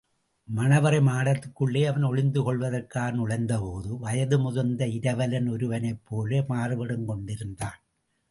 மணவறை மாடத்திற்குள்ளே அவன் ஒளிந்து கொள்வதற்காக நுழைந்தபோது, வயது முதிர்ந்த இரவலன் ஒருவனைப்போல மாறுவேடங்கொண்டிருந்தான்.